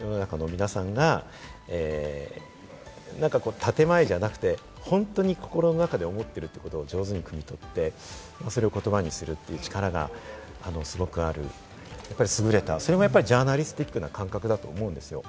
世の中の皆さんが何か建前じゃなくて、本当に心の中で持っているということを上手にくみ取って、それを言葉にするという力がすごくある、すぐれたそれもやっぱりジャーナリスティックな感覚だと思うんですよ。